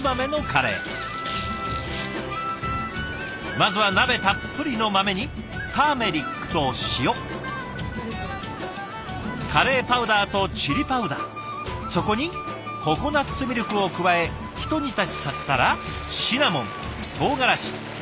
まずは鍋たっぷりの豆にターメリックと塩カレーパウダーとチリパウダーそこにココナツミルクを加えひと煮立ちさせたらシナモンとうがらしたまねぎ